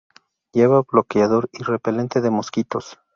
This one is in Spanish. Lleva bloqueador y repelente de mosquitos.